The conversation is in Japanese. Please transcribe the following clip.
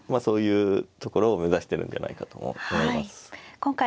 そういうところを目指してるんじゃないかと思います。